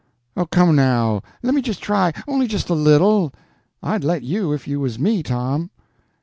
Oh, come now; lemme just try, only just a little. I'd let you, if you was me, Tom."